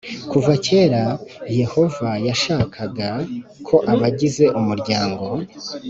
Kuva kera Yehova yashakaga ko abagize umuryango